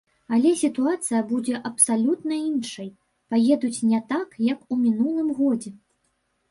Але сітуацыя будзе абсалютна іншай, паедуць не так, як у мінулым годзе.